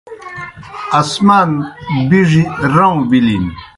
آسمان بِڙیْ رؤں بِلِن۔